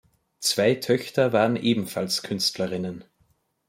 Zwei Töchter waren ebenfalls Künstlerinnen.